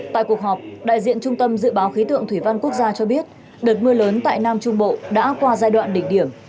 tại cuộc họp đại diện trung tâm dự báo khí tượng thủy văn quốc gia cho biết đợt mưa lớn tại nam trung bộ đã qua giai đoạn đỉnh điểm